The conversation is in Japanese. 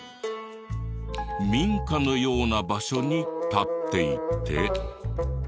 民家のような場所に立っていて。